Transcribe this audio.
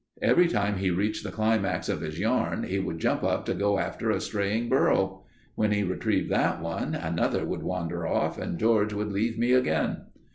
Every time he reached the climax of his yarn, he would jump up to go after a straying burro. When he retrieved that one, another would wander off and George would leave me again.